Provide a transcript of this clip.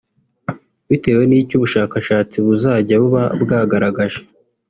bitewe n’icyo ubushakashatsi buzajya buba bwagaragaje